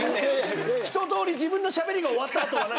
ひととおり自分のしゃべりが終わった後。